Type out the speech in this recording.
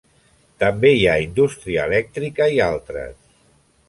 També hi ha indústria elèctrica i altres.